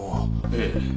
ええ。